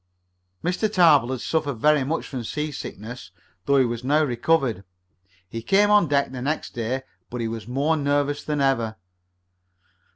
Mr. Tarbill had suffered very much from seasickness, though he was now recovered. He came on deck the next day, but he was more nervous than ever.